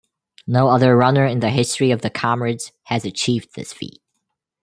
No other runner in the history of the Comrades has achieved this feat.